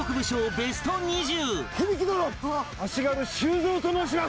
ベスト２０